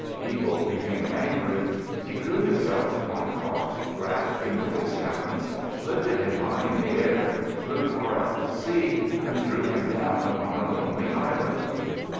Eagle became angry. He threw himself upon Fox, grasped him with his talons, lifted him high in the air, flew far out to sea and threw him down upon a lonely island.